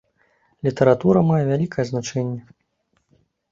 Літаратура мае вялікае значэнне.